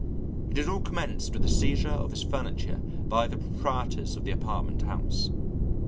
It had all commenced with the seizure of his furniture by the proprietors of the apartment house.